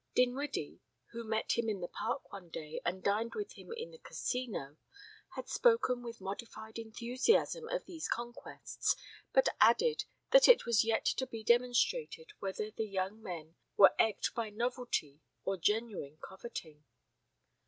Dinwiddie, who met him in the Park one day and dined with him in the Casino, had spoken with modified enthusiasm of these conquests, but added that it was yet to be demonstrated whether the young men were egged by novelty or genuine coveting.